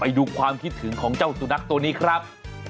ดูความคิดถึงของเจ้าสุนัขตัวนี้ครับ